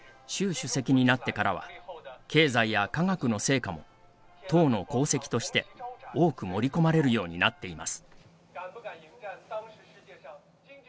主席になってからは経済や科学の成果も党の功績として多く盛り込まれるようになっています。